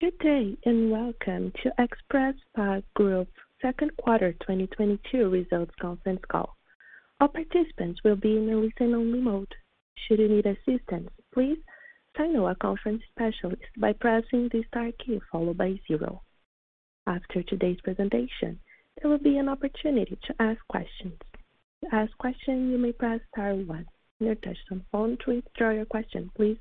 Good day, and welcome to XpresSpa Group second quarter 2022 results conference call. All participants will be in a listen-only mode. Should you need assistance, please signal a conference specialist by pressing the star key followed by zero. After today's presentation, there will be an opportunity to ask questions. To ask questions, you may press star one on your touch tone phone. To withdraw your question, please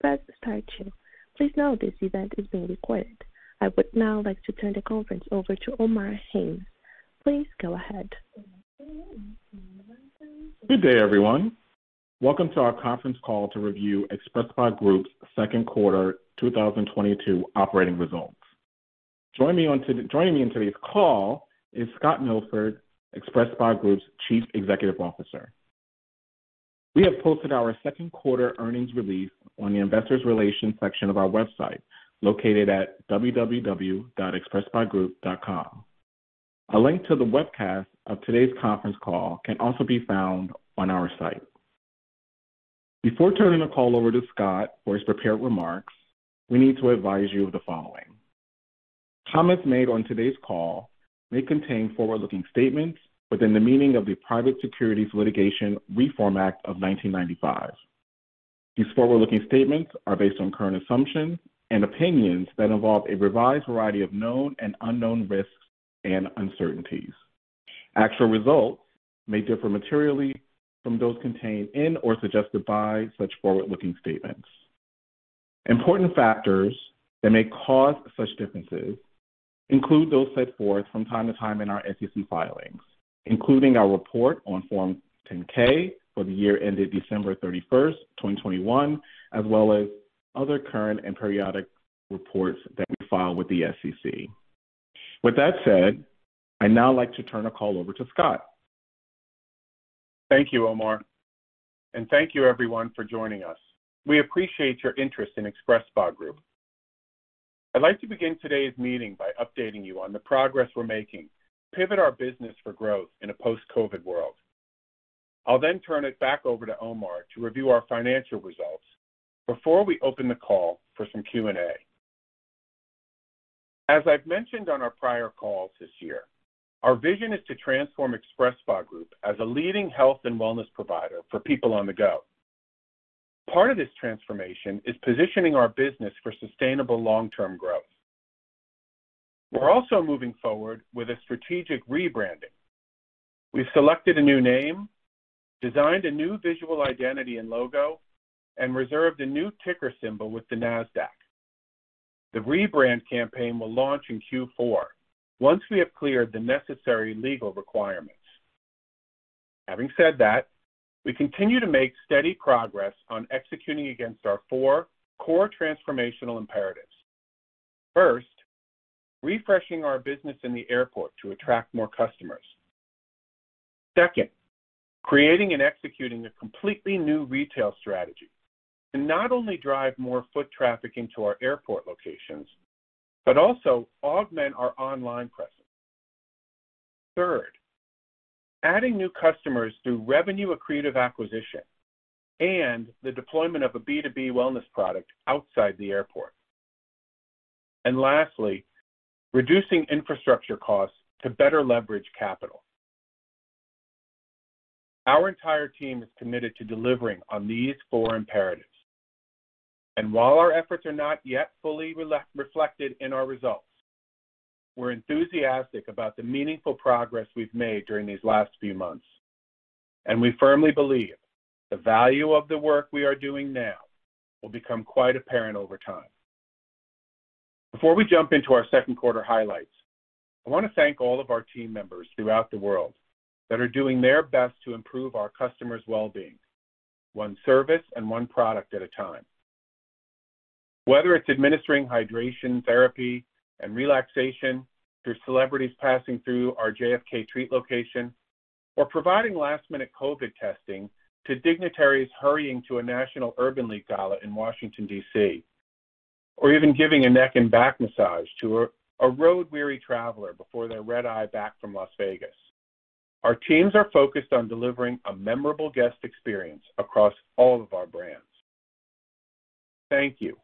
press star two. Please note this event is being recorded. I would now like to turn the conference over to Omar Haynes. Please go ahead. Good day, everyone. Welcome to our conference call to review XpresSpa Group's second quarter 2022 operating results. Joining me on today's call is Scott Milford, XpresSpa Group's Chief Executive Officer. We have posted our second quarter earnings release on the investor relations section of our website located at www.xpresspagroup.com. A link to the webcast of today's conference call can also be found on our site. Before turning the call over to Scott for his prepared remarks, we need to advise you of the following. Comments made on today's call may contain forward-looking statements within the meaning of the Private Securities Litigation Reform Act of 1995. These forward-looking statements are based on current assumptions and opinions that involve a wide variety of known and unknown risks and uncertainties. Actual results may differ materially from those contained in or suggested by such forward-looking statements. Important factors that may cause such differences include those set forth from time to time in our SEC filings, including our report on Form 10-K for the year ended December 31, 2021, as well as other current and periodic reports that we file with the SEC. With that said, I'd now like to turn the call over to Scott. Thank you, Omar. Thank you everyone for joining us. We appreciate your interest in XpresSpa Group. I'd like to begin today's meeting by updating you on the progress we're making to pivot our business for growth in a post-COVID world. I'll then turn it back over to Omar to review our financial results before we open the call for some Q&A. As I've mentioned on our prior calls this year, our vision is to transform XpresSpa Group as a leading health and wellness provider for people on the go. Part of this transformation is positioning our business for sustainable long-term growth. We're also moving forward with a strategic rebranding. We've selected a new name, designed a new visual identity and logo, and reserved a new ticker symbol with the Nasdaq. The rebrand campaign will launch in Q4 once we have cleared the necessary legal requirements. Having said that, we continue to make steady progress on executing against our four core transformational imperatives. First, refreshing our business in the airport to attract more customers. Second, creating and executing a completely new retail strategy to not only drive more foot traffic into our airport locations, but also augment our online presence. Third, adding new customers through revenue accretive acquisition and the deployment of a B2B wellness product outside the airport. Lastly, reducing infrastructure costs to better leverage capital. Our entire team is committed to delivering on these four imperatives. While our efforts are not yet fully reflected in our results, we're enthusiastic about the meaningful progress we've made during these last few months, and we firmly believe the value of the work we are doing now will become quite apparent over time. Before we jump into our second quarter highlights, I wanna thank all of our team members throughout the world that are doing their best to improve our customers' well-being, one service and one product at a time. Whether it's administering hydration therapy and relaxation through celebrities passing through our JFK Treat location, or providing last-minute COVID testing to dignitaries hurrying to a National Urban League gala in Washington, D.C., or even giving a neck and back massage to a road-weary traveler before their red-eye back from Las Vegas, our teams are focused on delivering a memorable guest experience across all of our brands. Thank you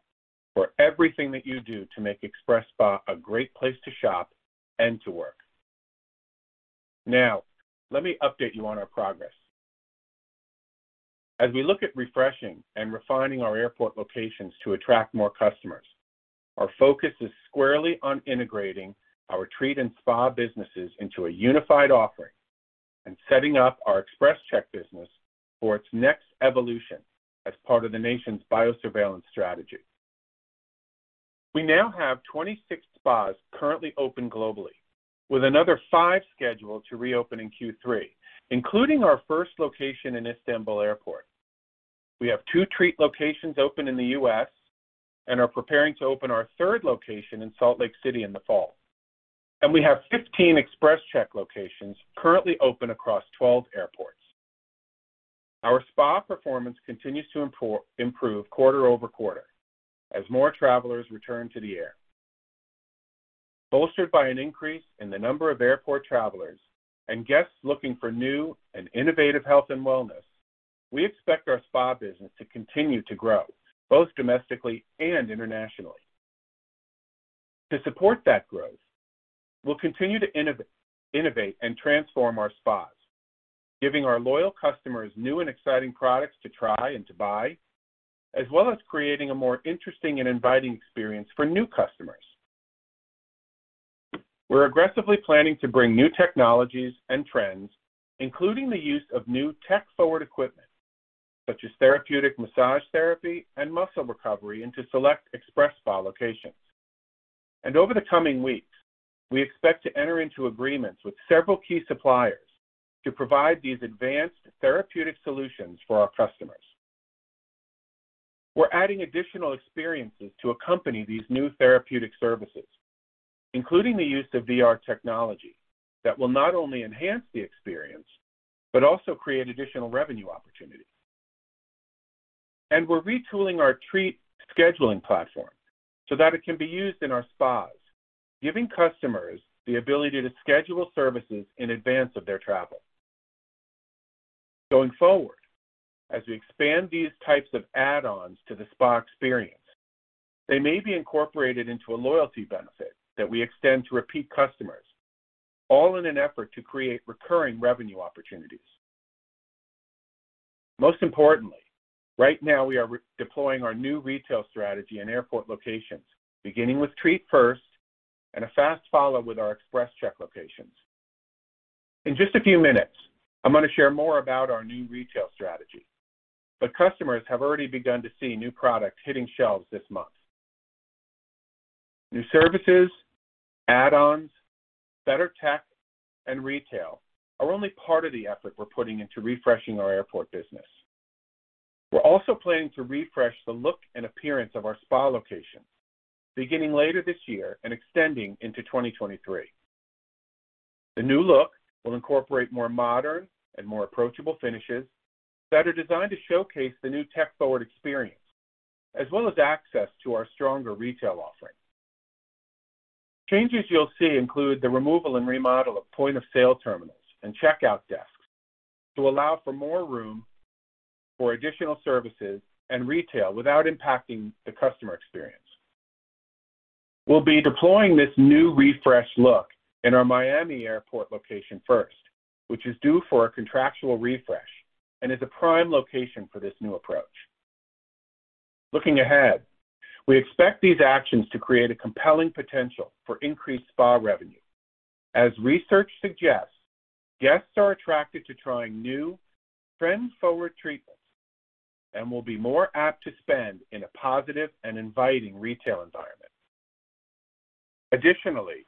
for everything that you do to make XpresSpa a great place to shop and to work. Now, let me update you on our progress. As we look at refreshing and refining our airport locations to attract more customers, our focus is squarely on integrating our Treat and Spa businesses into a unified offering and setting up our XpresCheck business for its next evolution as part of the nation's biosurveillance strategy. We now have 26 spas currently open globally, with another 5 scheduled to reopen in Q3, including our first location in Istanbul Airport. We have tw. Treat locations open in the U.S. and are preparing to open our third location in Salt Lake City in the fall. We have 15 XpresCheck locations currently open across 12 airports. Our spa performance continues to improve quarter over quarter as more travelers return to the air. Bolstered by an increase in the number of airport travelers and guests looking for new and innovative health and wellness, we expect our spa business to continue to grow, both domestically and internationally. To support that growth, we'll continue to innovate and transform our spas, giving our loyal customers new and exciting products to try and to buy, as well as creating a more interesting and inviting experience for new customers. We're aggressively planning to bring new technologies and trends, including the use of new tech-forward equipment, such as therapeutic massage therapy and muscle recovery into select XpresSpa locations. Over the coming weeks, we expect to enter into agreements with several key suppliers to provide these advanced therapeutic solutions for our customers. We're adding additional experiences to accompany these new therapeutic services, including the use of VR technology that will not only enhance the experience, but also create additional revenue opportunities. We're retooling our Treat scheduling platform so that it can be used in our spas, giving customers the ability to schedule services in advance of their travel. Going forward, as we expand these types of add-ons to the spa experience, they may be incorporated into a loyalty benefit that we extend to repeat customers, all in an effort to create recurring revenue opportunities. Most importantly, right now we are redeploying our new retail strategy in airport locations, beginning with Treat first and a fast follow with our XpresCheck locations. In just a few minutes, I'm gonna share more about our new retail strategy, but customers have already begun to see new products hitting shelves this month. New services, add-ons, better tech, and retail are only part of the effort we're putting into refreshing our airport business. We're also planning to refresh the look and appearance of our spa locations beginning later this year and extending into 2023. The new look will incorporate more modern and more approachable finishes that are designed to showcase the new tech-forward experience, as well as access to our stronger retail offering. Changes you'll see include the removal and remodel of point-of-sale terminals and checkout desks to allow for more room for additional services and retail without impacting the customer experience. We'll be deploying this new refreshed look in our Miami Airport location first, which is due for a contractual refresh and is a prime location for this new approach. Looking ahead, we expect these actions to create a compelling potential for increased spa revenue. As research suggests, guests are attracted to trying new trend-forward treatments and will be more apt to spend in a positive and inviting retail environment. Additionally,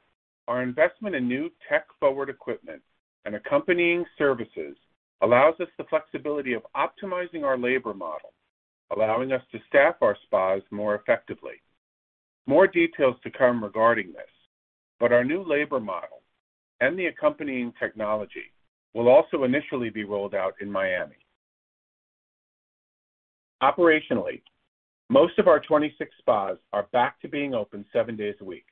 our investment in new tech-forward equipment and accompanying services allows us the flexibility of optimizing our labor model, allowing us to staff our spas more effectively. More details to come regarding this, but our new labor model and the accompanying technology will also initially be rolled out in Miami. Operationally, most of our 26 spas are back to being open seven days a week.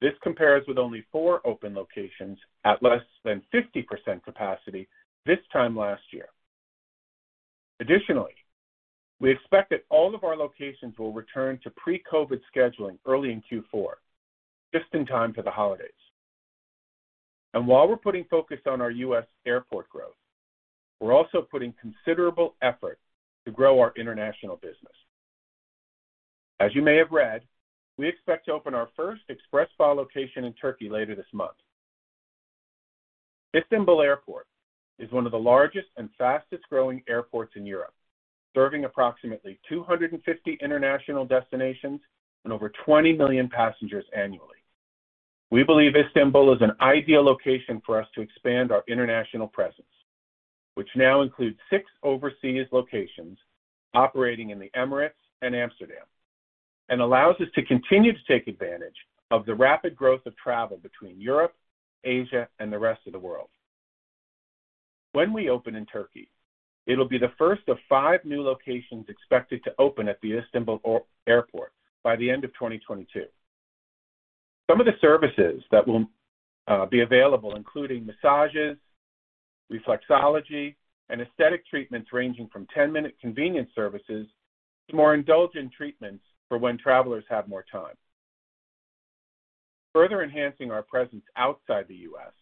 This compares with only four open locations at less than 50% capacity this time last year. Additionally, we expect that all of our locations will return to pre-COVID scheduling early in Q4, just in time for the holidays. While we're putting focus on our U.S. airport growth, we're also putting considerable effort to grow our international business. As you may have read, we expect to open our first XpresSpa location in Turkey later this month. Istanbul Airport is one of the largest and fastest-growing airports in Europe, serving approximately 250 international destinations and over 20 million passengers annually. We believe Istanbul is an ideal location for us to expand our international presence, which now includes six overseas locations operating in the Emirates and Amsterdam, and allows us to continue to take advantage of the rapid growth of travel between Europe, Asia, and the rest of the world. When we open in Turkey, it'll be the first of five new locations expected to open at the Istanbul Airport by the end of 2022. Some of the services that will be available including massages, reflexology, and aesthetic treatments ranging from 10-minute convenience services to more indulgent treatments for when travelers have more time. Further enhancing our presence outside the U.S.,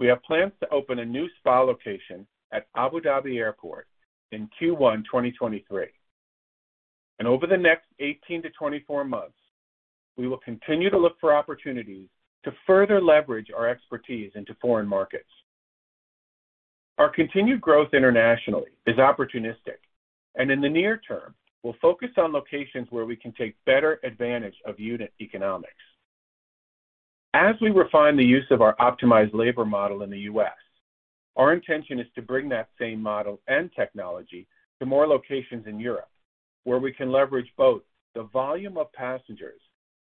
we have plans to open a new spa location at Abu Dhabi Airport in Q1 2023. Over the next 18 months-24 months, we will continue to look for opportunities to further leverage our expertise into foreign markets. Our continued growth internationally is opportunistic, and in the near term, we'll focus on locations where we can take better advantage of unit economics. As we refine the use of our optimized labor model in the U.S., our intention is to bring that same model and technology to more locations in Europe, where we can leverage both the volume of passengers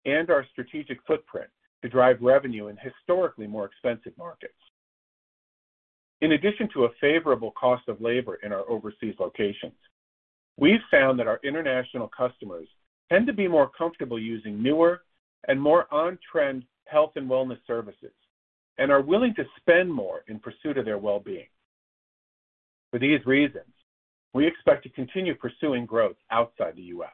and our strategic footprint to drive revenue in historically more expensive markets. In addition to a favorable cost of labor in our overseas locations, we've found that our international customers tend to be more comfortable using newer and more on-trend health and wellness services and are willing to spend more in pursuit of their well-being. For these reasons, we expect to continue pursuing growth outside the U.S.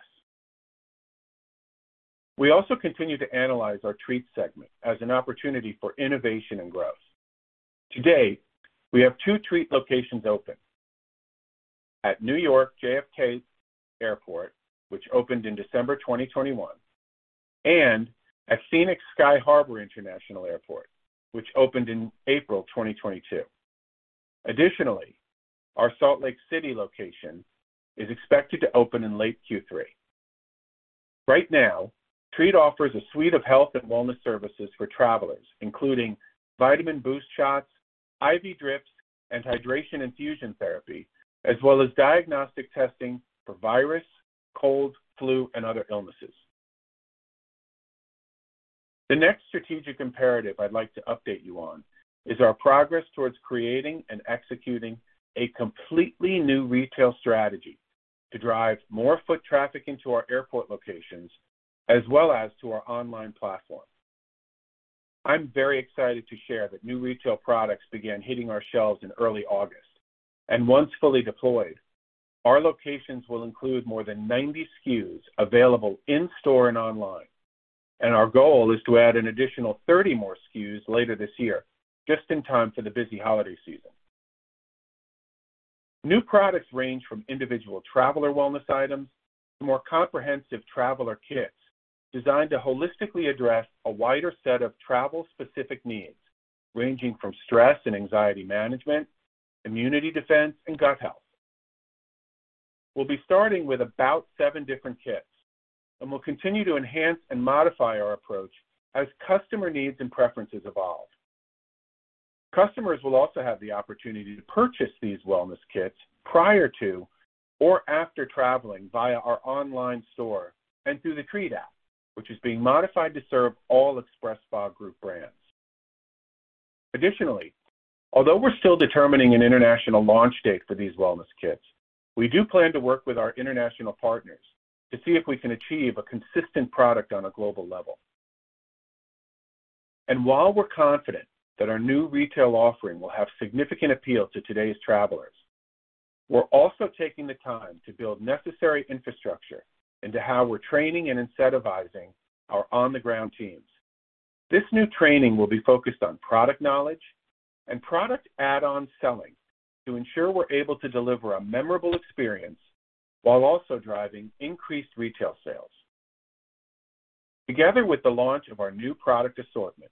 We also continue to analyze our Treat segment as an opportunity for innovation and growth. Today, we have two Treat locations open: at New York JFK Airport, which opened in December 2021, and at Phoenix Sky Harbor International Airport, which opened in April 2022. Additionally, our Salt Lake City location is expected to open in late Q3. Right now, Treat offers a suite of health and wellness services for travelers, including vitamin boost shots, IV drips, and hydration infusion therapy, as well as diagnostic testing for virus, cold, flu, and other illnesses. The next strategic imperative I'd like to update you on is our progress towards creating and executing a completely new retail strategy to drive more foot traffic into our airport locations, as well as to our online platform. I'm very excited to share that new retail products began hitting our shelves in early August, and once fully deployed, our locations will include more than 90 SKUs available in-store and online. Our goal is to add an additional 30 more SKUs later this year, just in time for the busy holiday season. New products range from individual traveler wellness items to more comprehensive traveler kits designed to holistically address a wider set of travel-specific needs, ranging from stress and anxiety management, immunity defense, and gut health. We'll be starting with about seven different kits, and we'll continue to enhance and modify our approach as customer needs and preferences evolve. Customers will also have the opportunity to purchase these wellness kits prior to or after traveling via our online store and through the Treat app, which is being modified to serve all XpresSpa Group brands. Additionally, although we're still determining an international launch date for these wellness kits, we do plan to work with our international partners to see if we can achieve a consistent product on a global level. While we're confident that our new retail offering will have significant appeal to today's travelers, we're also taking the time to build necessary infrastructure into how we're training and incentivizing our on-the-ground teams. This new training will be focused on product knowledge and product add-on selling to ensure we're able to deliver a memorable experience while also driving increased retail sales. Together with the launch of our new product assortment,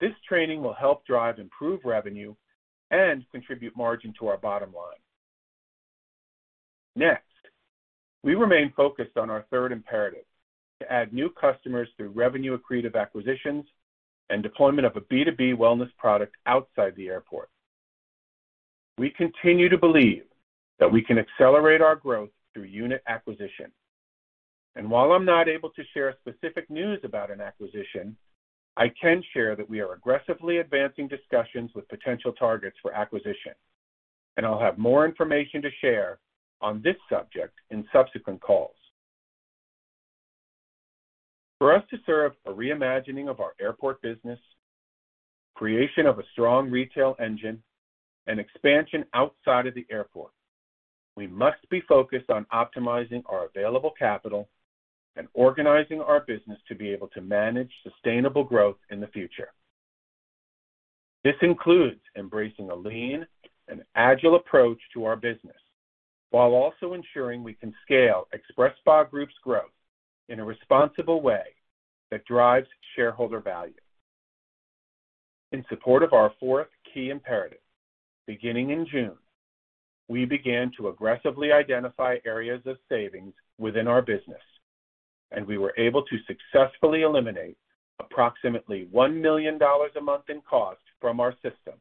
this training will help drive improved revenue and contribute margin to our bottom line. Next, we remain focused on our third imperative. To add new customers through revenue-accretive acquisitions and deployment of a B2B wellness product outside the airport. We continue to believe that we can accelerate our growth through unit acquisition. While I'm not able to share specific news about an acquisition, I can share that we are aggressively advancing discussions with potential targets for acquisition. I'll have more information to share on this subject in subsequent calls. For us to serve a reimagining of our airport business, creation of a strong retail engine, and expansion outside of the airport, we must be focused on optimizing our available capital and organizing our business to be able to manage sustainable growth in the future. This includes embracing a lean and agile approach to our business while also ensuring we can scale XpresSpa Group's growth in a responsible way that drives shareholder value. In support of our fourth key imperative, beginning in June, we began to aggressively identify areas of savings within our business, and we were able to successfully eliminate approximately $1 million a month in cost from our system,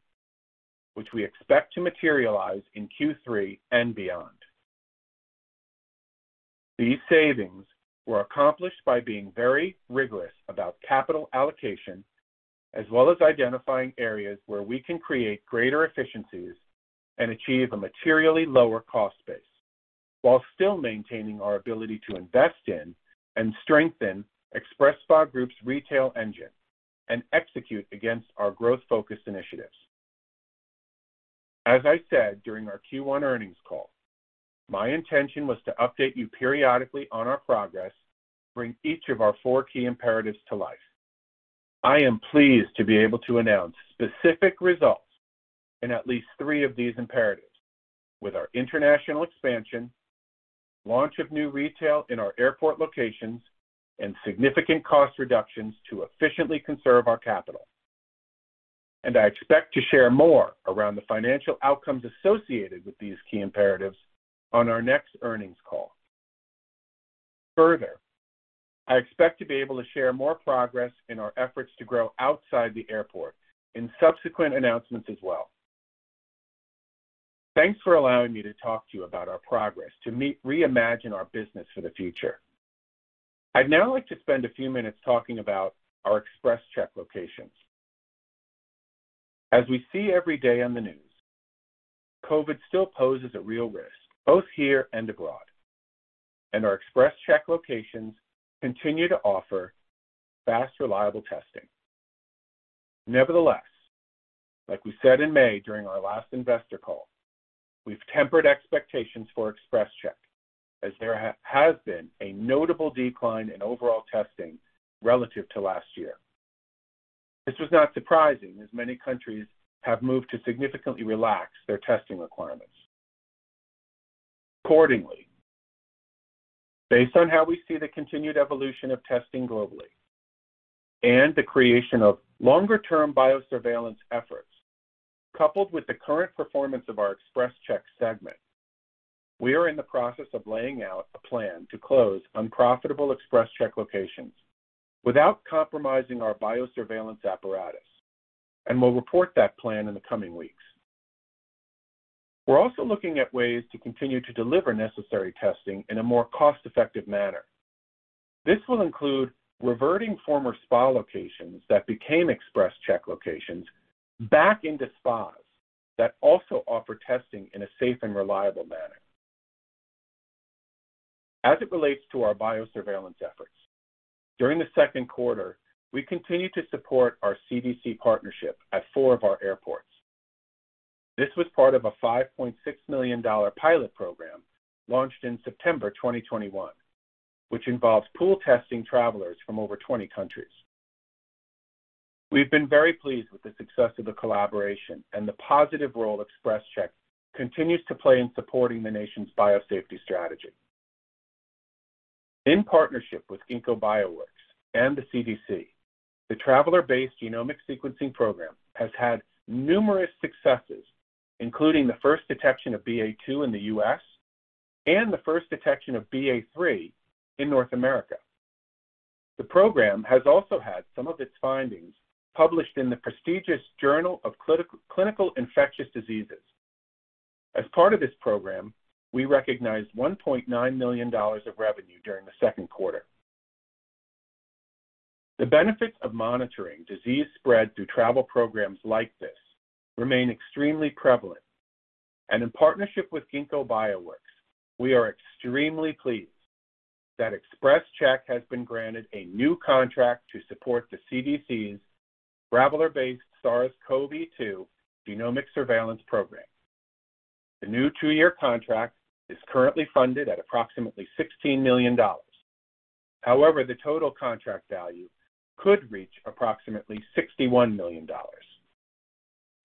which we expect to materialize in Q3 and beyond. These savings were accomplished by being very rigorous about capital allocation, as well as identifying areas where we can create greater efficiencies and achieve a materially lower cost base while still maintaining our ability to invest in and strengthen XpresSpa Group's retail engine and execute against our growth-focused initiatives. As I said during our Q1 earnings call, my intention was to update you periodically on our progress to bring each of our four key imperatives to life. I am pleased to be able to announce specific results in at least three of these imperatives with our international expansion, launch of new retail in our airport locations, and significant cost reductions to efficiently conserve our capital. I expect to share more around the financial outcomes associated with these key imperatives on our next earnings call. Further, I expect to be able to share more progress in our efforts to grow outside the airport in subsequent announcements as well. Thanks for allowing me to talk to you about our progress to reimagine our business for the future. I'd now like to spend a few minutes talking about our XpresCheck locations. As we see every day on the news, COVID still poses a real risk both here and abroad, and our XpresCheck locations continue to offer fast, reliable testing. Nevertheless, like we said in May during our last investor call, we've tempered expectations for XpresCheck as there has been a notable decline in overall testing relative to last year. This was not surprising, as many countries have moved to significantly relax their testing requirements. Accordingly, based on how we see the continued evolution of testing globally and the creation of longer-term biosurveillance efforts, coupled with the current performance of our XpresCheck segment, we are in the process of laying out a plan to close unprofitable XpresCheck locations without compromising our biosurveillance apparatus, and we'll report that plan in the coming weeks. We're also looking at ways to continue to deliver necessary testing in a more cost-effective manner. This will include reverting former spa locations that became XpresCheck locations back into spas that also offer testing in a safe and reliable manner. As it relates to our biosurveillance efforts, during the second quarter, we continued to support our CDC partnership at four of our airports. This was part of a $5.6 million pilot program launched in September 2021, which involves pool testing travelers from over 20 countries. We've been very pleased with the success of the collaboration and the positive role XpresCheck continues to play in supporting the nation's biosafety strategy. In partnership with Ginkgo Bioworks and the CDC, the traveler-based genomic sequencing program has had numerous successes, including the first detection of BA.2 in the U.S. and the first detection of BA.3 in North America. The program has also had some of its findings published in the prestigious Clinical Infectious Diseases. As part of this program, we recognized $1.9 million of revenue during the second quarter. The benefits of monitoring disease spread through travel programs like this remain extremely prevalent. In partnership with Ginkgo Bioworks, we are extremely pleased that XpresCheck has been granted a new contract to support the CDC's traveler-based SARS-CoV-2 genomic surveillance program. The new two-year contract is currently funded at approximately $16 million. However, the total contract value could reach approximately $61 million.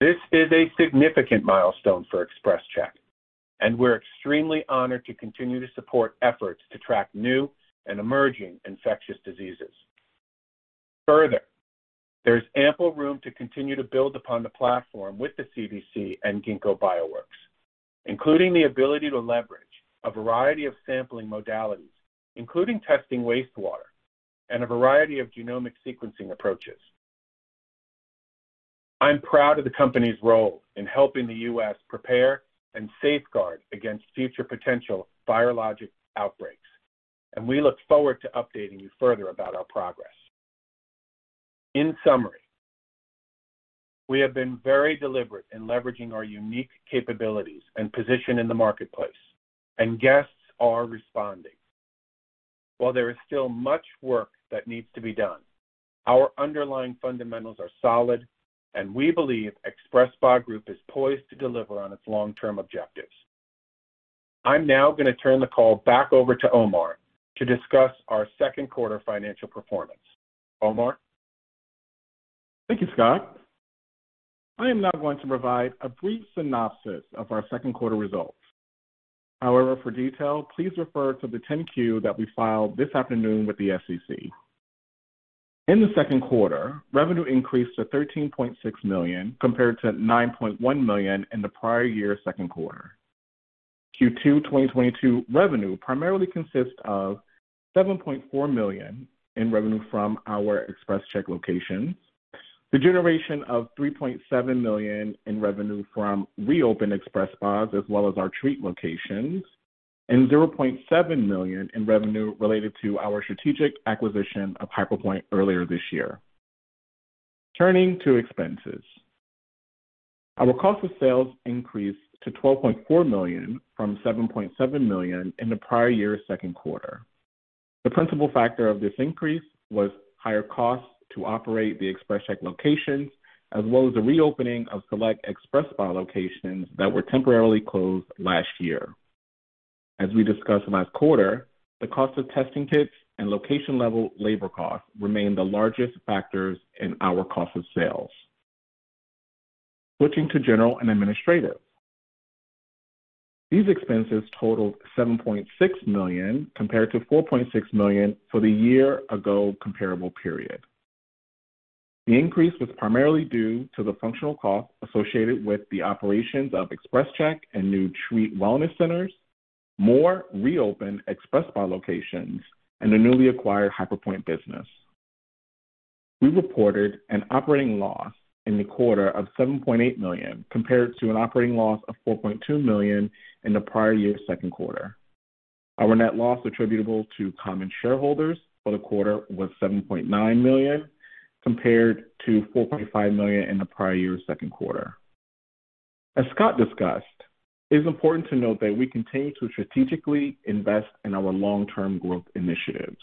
This is a significant milestone for XpresCheck, and we're extremely honored to continue to support efforts to track new and emerging infectious diseases. Further, there's ample room to continue to build upon the platform with the CDC and Ginkgo Bioworks, including the ability to leverage a variety of sampling modalities, including testing wastewater and a variety of genomic sequencing approaches. I'm proud of the company's role in helping the U.S. prepare and safeguard against future potential virologic outbreaks, and we look forward to updating you further about our progress. In summary, we have been very deliberate in leveraging our unique capabilities and position in the marketplace, and guests are responding. While there is still much work that needs to be done, our underlying fundamentals are solid, and we believe XpresSpa Group is poised to deliver on its long-term objectives. I'm now gonna turn the call back over to Omar to discuss our second quarter financial performance. Omar? Thank you, Scott. I am now going to provide a brief synopsis of our second quarter results. However, for detail, please refer to the 10-Q that we filed this afternoon with the SEC. In the second quarter, revenue increased to $13.6 million, compared to $9.1 million in the prior year second quarter. Q2 2022 revenue primarily consists of $7.4 million in revenue from our XpresCheck locations. The generation of $3.7 million in revenue from reopened XpresSpas, as well as our Treat locations, and $0.7 million in revenue related to our strategic acquisition of HyperPointe earlier this year. Turning to expenses. Our cost of sales increased to $12.4 million from $7.7 million in the prior year's second quarter. The principal factor of this increase was higher costs to operate the XpresCheck locations, as well as the reopening of select XpresSpa locations that were temporarily closed last year. As we discussed last quarter, the cost of testing kits and location-level labor costs remain the largest factors in our cost of sales. Switching to general and administrative. These expenses totaled $7.6 million, compared to $4.6 million for the year-ago comparable period. The increase was primarily due to the functional costs associated with the operations of XpresCheck and new Treat Wellness centers, more reopened XpresSpa locations, and the newly acquired HyperPointe business. We reported an operating loss in the quarter of $7.8 million, compared to an operating loss of $4.2 million in the prior year's second quarter. Our net loss attributable to common shareholders for the quarter was $7.9 million, compared to $4.5 million in the prior year's second quarter. As Scott discussed, it is important to note that we continue to strategically invest in our long-term growth initiatives.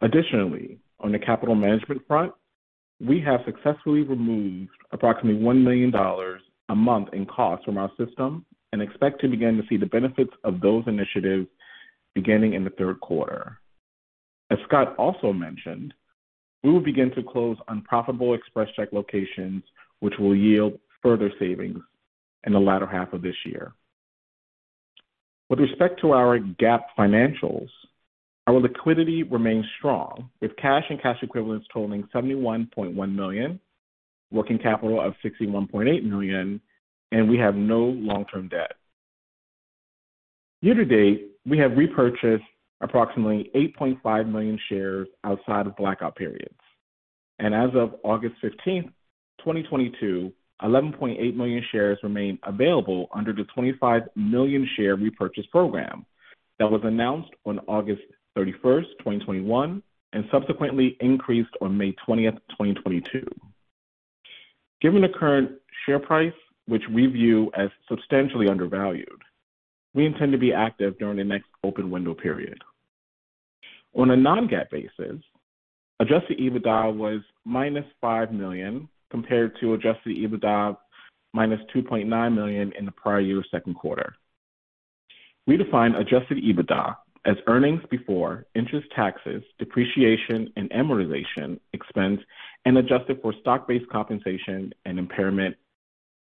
Additionally, on the capital management front, we have successfully removed approximately $1 million a month in costs from our system and expect to begin to see the benefits of those initiatives beginning in the third quarter. As Scott also mentioned, we will begin to close unprofitable XpresCheck locations, which will yield further savings in the latter half of this year. With respect to our GAAP financials, our liquidity remains strong, with cash and cash equivalents totaling $71.1 million, working capital of $61.8 million, and we have no long-term debt. Year to date, we have repurchased approximately 8.5 million shares outside of blackout periods, and as of August 15, 2022, 11.8 million shares remain available under the 25 million share repurchase program that was announced on August 31, 2021, and subsequently increased on May 20, 2022. Given the current share price, which we view as substantially undervalued, we intend to be active during the next open window period. On a non-GAAP basis, adjusted EBITDA was -$5 million compared to adjusted EBITDA -$2.9 million in the prior year's second quarter. We define adjusted EBITDA as earnings before interest, taxes, depreciation, and amortization expense and adjusted for stock-based compensation and impairment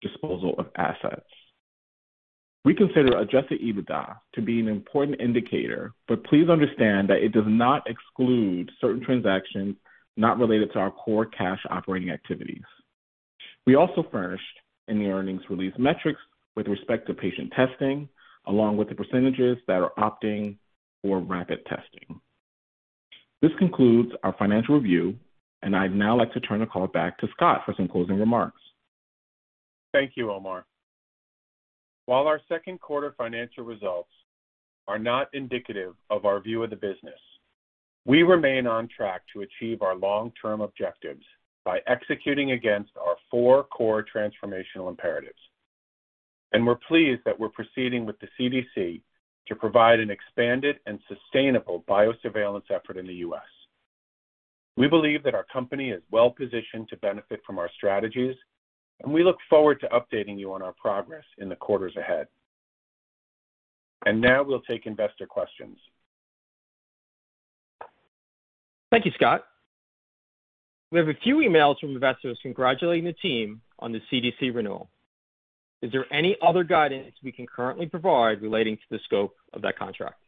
disposal of assets. We consider adjusted EBITDA to be an important indicator, but please understand that it does not exclude certain transactions not related to our core cash operating activities. We also furnished in the earnings release metrics with respect to patient testing, along with the percentages that are opting for rapid testing. This concludes our financial review, and I'd now like to turn the call back to Scott for some closing remarks. Thank you, Omar. While our second quarter financial results are not indicative of our view of the business, we remain on track to achieve our long-term objectives by executing against our four core transformational imperatives. We're pleased that we're proceeding with the CDC to provide an expanded and sustainable biosurveillance effort in the U.S. We believe that our company is well-positioned to benefit from our strategies, and we look forward to updating you on our progress in the quarters ahead. Now we'll take investor questions. Thank you, Scott. We have a few emails from investors congratulating the team on the CDC renewal. Is there any other guidance we can currently provide relating to the scope of that contract?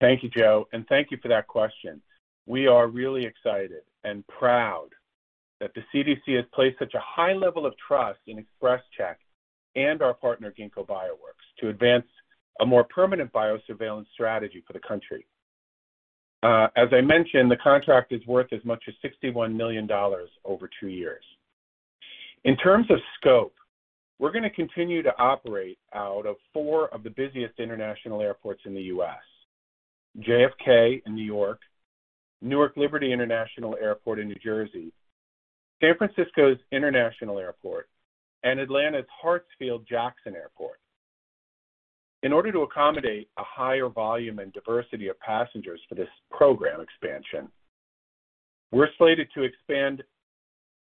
Thank you, Joe, and thank you for that question. We are really excited and proud that the CDC has placed such a high level of trust in XpresCheck and our partner, Ginkgo Bioworks, to advance a more permanent biosurveillance strategy for the country. As I mentioned, the contract is worth as much as $61 million over two years. In terms of scope, we're gonna continue to operate out of four of the busiest international airports in the U.S., JFK in New York, Newark Liberty International Airport in New Jersey, San Francisco International Airport, and Atlanta's Hartsfield-Jackson Airport. In order to accommodate a higher volume and diversity of passengers for this program expansion, we're slated to expand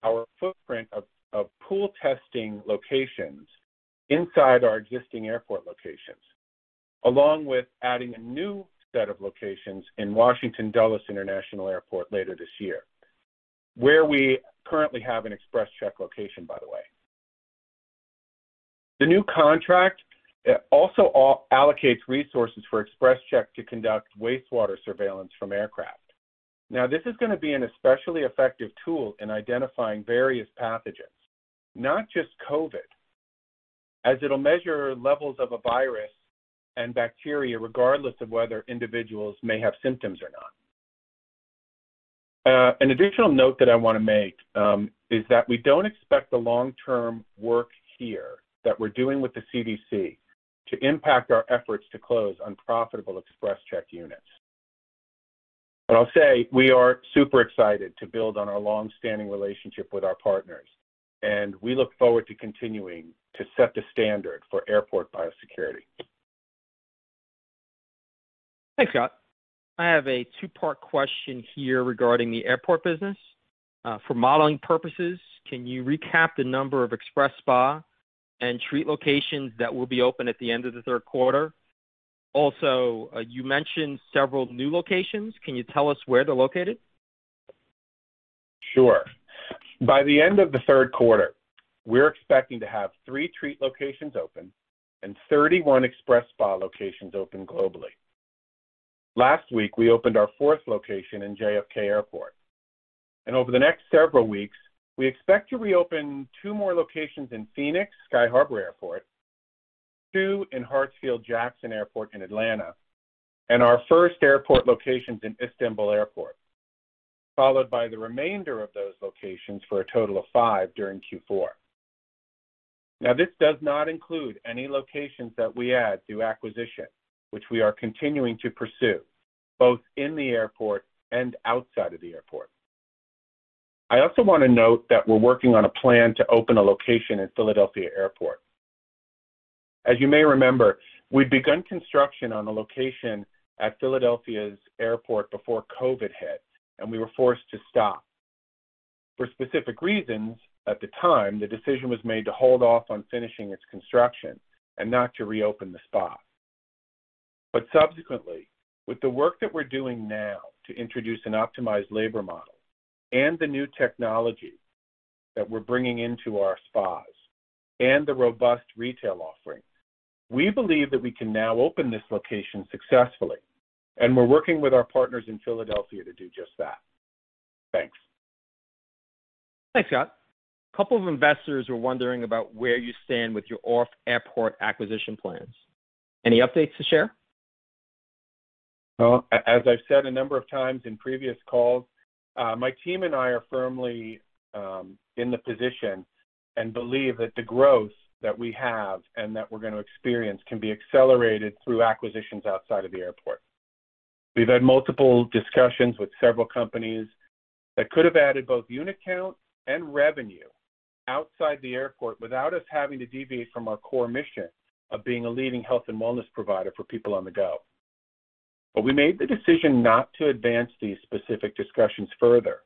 our footprint of pool testing locations inside our existing airport locations, along with adding a new set of locations in Washington Dulles International Airport later this year, where we currently have an XpresCheck location, by the way. The new contract also allocates resources for XpresCheck to conduct wastewater surveillance from aircraft. Now, this is gonna be an especially effective tool in identifying various pathogens, not just COVID, as it'll measure levels of a virus and bacteria regardless of whether individuals may have symptoms or not. An additional note that I wanna make is that we don't expect the long-term work here that we're doing with the CDC to impact our efforts to close unprofitable XpresCheck units I'll say we are super excited to build on our long-standing relationship with our partners, and we look forward to continuing to set the standard for airport biosecurity. Thanks, Scott. I have a two-part question here regarding the airport business. For modeling purposes, can you recap the number of XpresSpa and Treat locations that will be open at the end of the third quarter? Also, you mentioned several new locations. Can you tell us where they're located? Sure. By the end of the third quarter, we're expecting to have three Treat locations open and 31 XpresSpa locations open globally. Last week, we opened our fourth location in JFK Airport. Over the next several weeks, we expect to reopen two more locations in Phoenix Sky Harbor International Airport. Two in Hartsfield-Jackson Airport in Atlanta, and our first airport locations in Istanbul Airport, followed by the remainder of those locations for a total of five during Q4. Now, this does not include any locations that we add through acquisition, which we are continuing to pursue both in the airport and outside of the airport. I also wanna note that we're working on a plan to open a location in Philadelphia Airport. As you may remember, we'd begun construction on a location at Philadelphia's airport before COVID hit, and we were forced to stop. For specific reasons at the time, the decision was made to hold off on finishing its construction and not to reopen the spa. Subsequently, with the work that we're doing now to introduce an optimized labor model and the new technology that we're bringing into our spas and the robust retail offering, we believe that we can now open this location successfully, and we're working with our partners in Philadelphia to do just that. Thanks. Thanks, Scott. A couple of investors were wondering about where you stand with your off-airport acquisition plans. Any updates to share? Well, as I've said a number of times in previous calls, my team and I are firmly in the position and believe that the growth that we have and that we're gonna experience can be accelerated through acquisitions outside of the airport. We've had multiple discussions with several companies that could have added both unit count and revenue outside the airport without us having to deviate from our core mission of being a leading health and wellness provider for people on the go. We made the decision not to advance these specific discussions further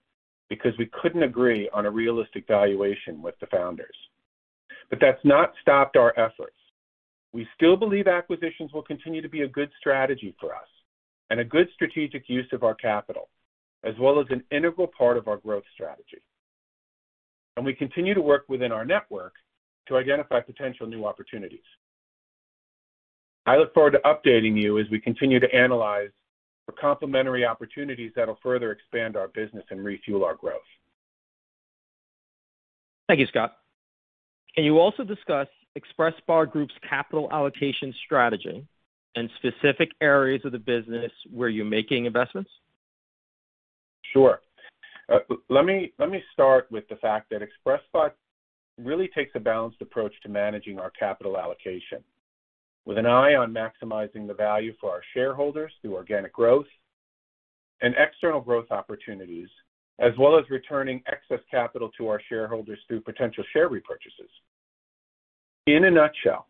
because we couldn't agree on a realistic valuation with the founders. That's not stopped our efforts. We still believe acquisitions will continue to be a good strategy for us and a good strategic use of our capital, as well as an integral part of our growth strategy. We continue to work within our network to identify potential new opportunities. I look forward to updating you as we continue to analyze for complementary opportunities that'll further expand our business and refuel our growth. Thank you, Scott. Can you also discuss XpresSpa Group's capital allocation strategy and specific areas of the business where you're making investments? Sure. Let me start with the fact that XpresSpa really takes a balanced approach to managing our capital allocation with an eye on maximizing the value for our shareholders through organic growth and external growth opportunities, as well as returning excess capital to our shareholders through potential share repurchases. In a nutshell,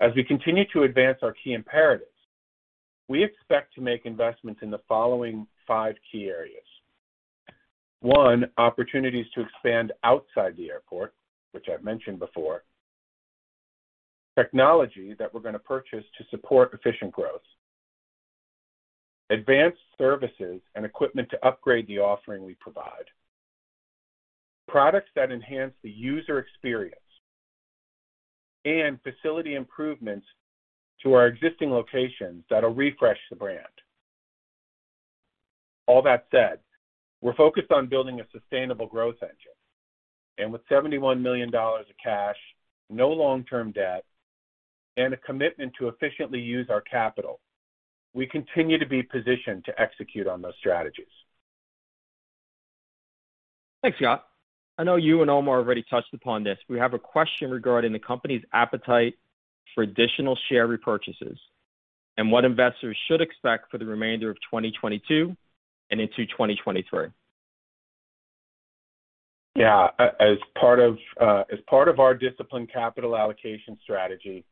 as we continue to advance our key imperatives, we expect to make investments in the following five key areas. One, opportunities to expand outside the airport, which I've mentioned before. Technology that we're gonna purchase to support efficient growth. Advanced services and equipment to upgrade the offering we provide. Products that enhance the user experience and facility improvements to our existing locations that'll refresh the brand. All that said, we're focused on building a sustainable growth engine, and with $71 million of cash, no long-term debt, and a commitment to efficiently use our capital, we continue to be positioned to execute on those strategies. Thanks, Scott. I know you and Omar already touched upon this. We have a question regarding the company's appetite for additional share repurchases and what investors should expect for the remainder of 2022 and into 2023. Yeah. As part of our disciplined capital allocation strategy,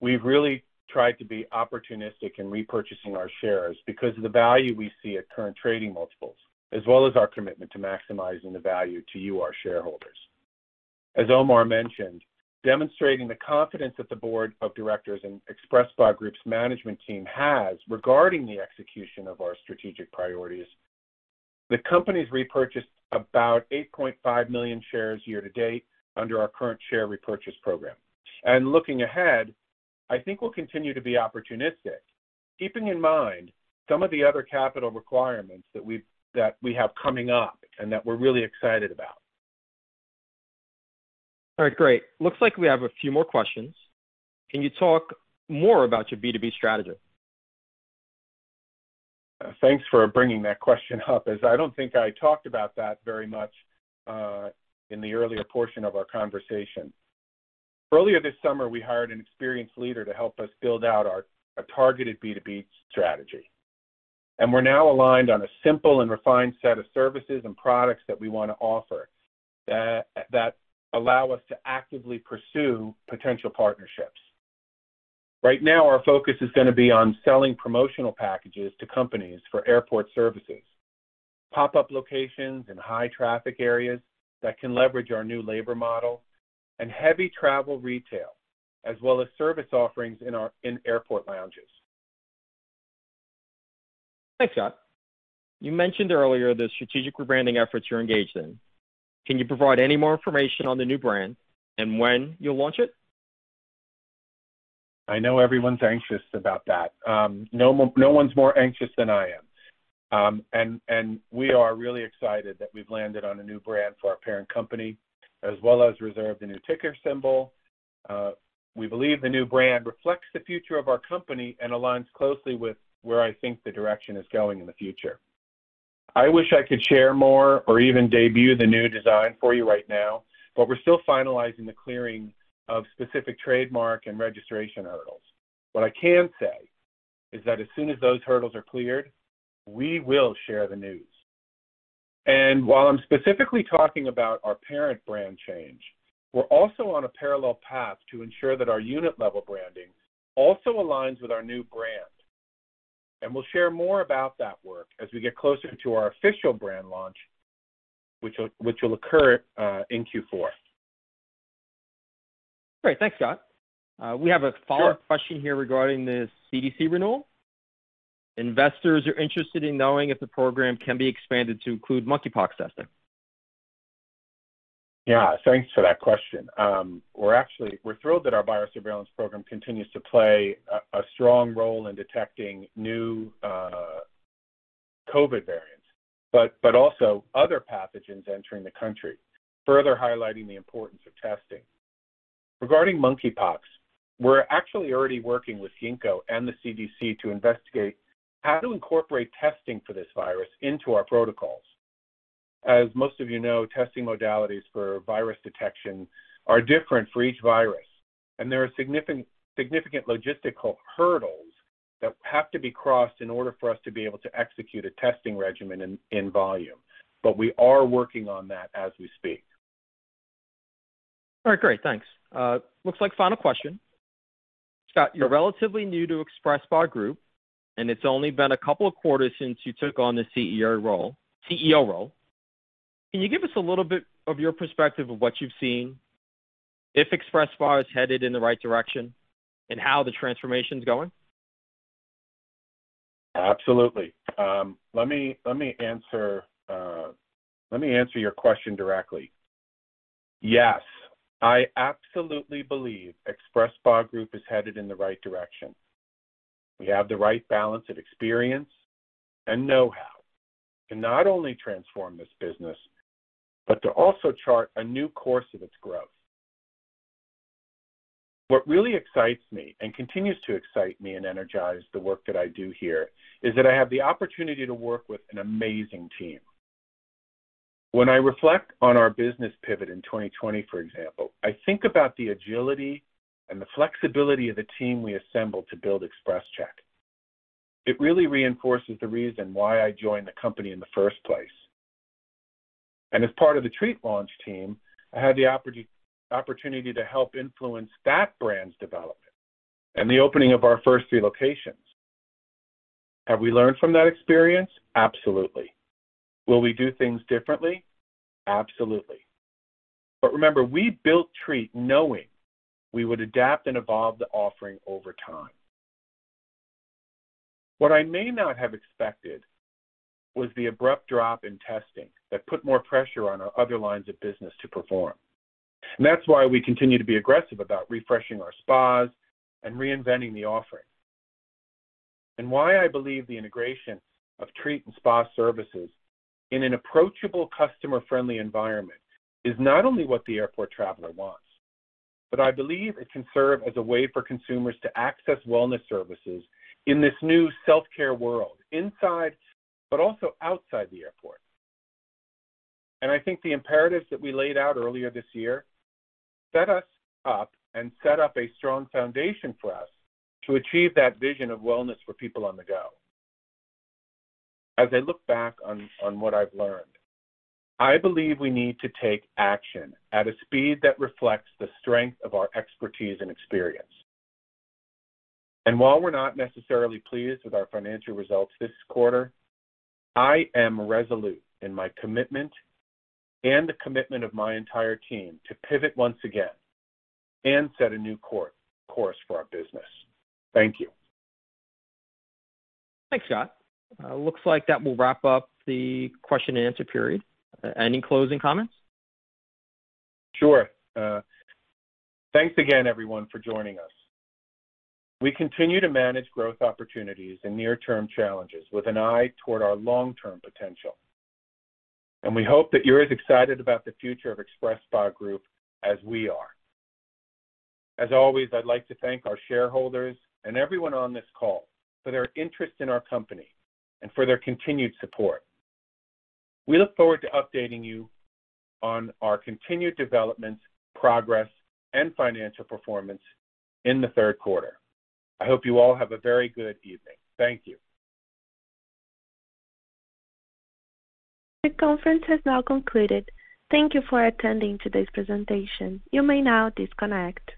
we've really tried to be opportunistic in repurchasing our shares because of the value we see at current trading multiples, as well as our commitment to maximizing the value to you, our shareholders. As Omar mentioned, demonstrating the confidence that the board of directors and XpresSpa Group's management team has regarding the execution of our strategic priorities, the company's repurchased about 8.5 million shares year-to-date under our current share repurchase program. Looking ahead, I think we'll continue to be opportunistic, keeping in mind some of the other capital requirements that we have coming up and that we're really excited about. All right, great. Looks like we have a few more questions. Can you talk more about your B2B strategy? Thanks for bringing that question up, as I don't think I talked about that very much in the earlier portion of our conversation. Earlier this summer, we hired an experienced leader to help us build out our targeted B2B strategy, and we're now aligned on a simple and refined set of services and products that we wanna offer that allow us to actively pursue potential partnerships. Right now, our focus is gonna be on selling promotional packages to companies for airport services, pop-up locations in high traffic areas that can leverage our new labor model, and heavy travel retail, as well as service offerings in airport lounges. Thanks, Scott. You mentioned earlier the strategic rebranding efforts you're engaged in. Can you provide any more information on the new brand and when you'll launch it? I know everyone's anxious about that. No one's more anxious than I am. We are really excited that we've landed on a new brand for our parent company, as well as reserved a new ticker symbol. We believe the new brand reflects the future of our company and aligns closely with where I think the direction is going in the future. I wish I could share more or even debut the new design for you right now, but we're still finalizing the clearing of specific trademark and registration hurdles. What I can say is that as soon as those hurdles are cleared, we will share the news. While I'm specifically talking about our parent brand change, we're also on a parallel path to ensure that our unit-level branding also aligns with our new brand. We'll share more about that work as we get closer to our official brand launch, which will occur in Q4. Great. Thanks, Scott. Sure. Follow-up question here regarding the CDC renewal. Investors are interested in knowing if the program can be expanded to include monkeypox testing. Yeah, thanks for that question. We're thrilled that our biosurveillance program continues to play a strong role in detecting new COVID variants, but also other pathogens entering the country, further highlighting the importance of testing. Regarding monkeypox, we're actually already working with Ginkgo and the CDC to investigate how to incorporate testing for this virus into our protocols. As most of you know, testing modalities for virus detection are different for each virus, and there are significant logistical hurdles that have to be crossed in order for us to be able to execute a testing regimen in volume. We are working on that as we speak. All right, great. Thanks. Looks like final question. Scott, you're relatively new to XpresSpa Group, and it's only been a couple of quarters since you took on the CEO role. Can you give us a little bit of your perspective of what you've seen, if XpresSpa is headed in the right direction, and how the transformation's going? Absolutely. Let me answer your question directly. Yes, I absolutely believe XpresSpa Group is headed in the right direction. We have the right balance of experience and know-how to not only transform this business, but to also chart a new course of its growth. What really excites me and continues to excite me and energize the work that I do here is that I have the opportunity to work with an amazing team. When I reflect on our business pivot in 2020, for example, I think about the agility and the flexibility of the team we assembled to build XpresCheck. It really reinforces the reason why I joined the company in the first place. As part of the Treat launch team, I had the opportunity to help influence that brand's development and the opening of our first three locations. Have we learned from that experience? Absolutely. Will we do things differently? Absolutely. Remember, we built Treat knowing we would adapt and evolve the offering over time. What I may not have expected was the abrupt drop in testing that put more pressure on our other lines of business to perform. That's why we continue to be aggressive about refreshing our spas and reinventing the offering. Why I believe the integration of Treat and spa services in an approachable, customer-friendly environment is not only what the airport traveler wants, but I believe it can serve as a way for consumers to access wellness services in this new self-care world, inside but also outside the airport. I think the imperatives that we laid out earlier this year set us up and set up a strong foundation for us to achieve that vision of wellness for people on the go. As I look back on what I've learned, I believe we need to take action at a speed that reflects the strength of our expertise and experience. While we're not necessarily pleased with our financial results this quarter, I am resolute in my commitment and the commitment of my entire team to pivot once again and set a new course for our business. Thank you. Thanks, Scott. Looks like that will wrap up the question and answer period. Any closing comments? Sure. Thanks again, everyone, for joining us. We continue to manage growth opportunities and near-term challenges with an eye toward our long-term potential, and we hope that you're as excited about the future of XpresSpa Group as we are. As always, I'd like to thank our shareholders and everyone on this call for their interest in our company and for their continued support. We look forward to updating you on our continued development, progress, and financial performance in the third quarter. I hope you all have a very good evening. Thank you. This conference has now concluded. Thank you for attending today's presentation. You may now disconnect.